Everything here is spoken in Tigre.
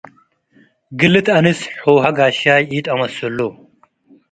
ግልት አንስ ሑሀ ጋሻይ ኢተመስሉ።